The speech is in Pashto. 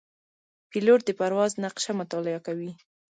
پیلوټ د پرواز نقشه مطالعه کوي.